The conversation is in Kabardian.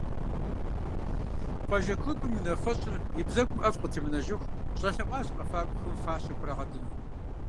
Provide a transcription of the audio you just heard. Къуажэ клубым и унафэщӀыр и бзэгум ӀэфӀ къытемынэжыху щӀэлъэӀуащ къэфакӀуэхэм фащэ хурагъэдыну.